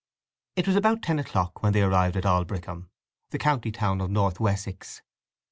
It was about ten o'clock when they arrived at Aldbrickham, the county town of North Wessex.